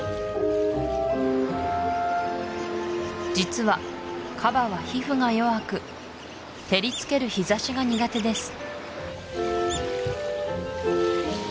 実はカバは皮膚が弱く照りつける日差しが苦手です